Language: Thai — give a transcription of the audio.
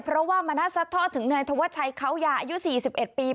เพราะว่ามณัฐซัดทอดถึงนายธวัชชัยเขายาอายุ๔๑ปี